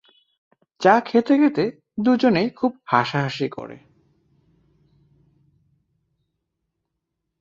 চা খেতে-খেতে দুইজনেই খুব হাসাহাসি করে।